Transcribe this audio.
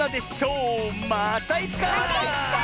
またいつか！